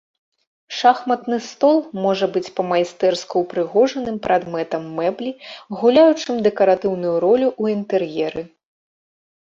Шахматны стол можа быць па-майстэрску упрыгожаным прадметам мэблі гуляючым дэкаратыўную ролю ў інтэр'еры.